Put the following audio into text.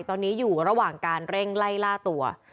ตอนนี้อยู่ระหว่างการเร่งไล่ล่าตัว